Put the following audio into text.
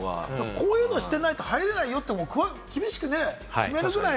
こういうのしてないと入れないよって厳しく決めるぐらい。